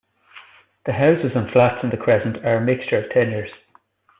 The houses and flats in the Crescent are a mixture of tenures.